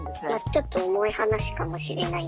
ちょっと重い話かもしれないんですけれど。